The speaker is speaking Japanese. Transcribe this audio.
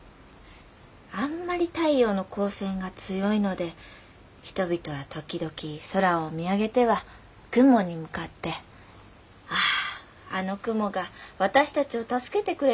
あんまり太陽の光線が強いので人々は時々空を見上げては雲に向かって『あああの雲が私たちを助けてくれたらな』というような